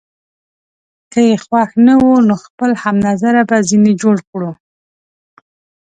که يې خوښ نه وي، نو خپل هم نظره به ځینې جوړ کړو.